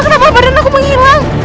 kenapa badan aku menghilang